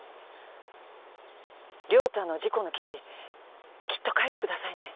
良太の事故の記事きっと書いてくださいね。